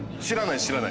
知らない。